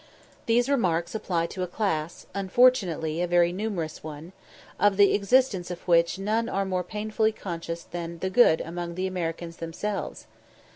These remarks apply to a class, unfortunately a very numerous one, of the existence of which none are more painfully conscious than the good among the Americans themselves.